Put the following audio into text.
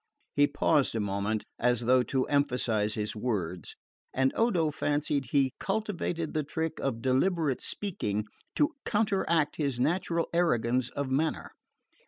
He paused a moment, as though to emphasise his words; and Odo fancied he cultivated the trick of deliberate speaking to counteract his natural arrogance of manner.